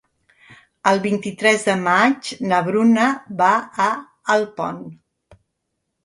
El vint-i-tres de maig na Bruna va a Alpont.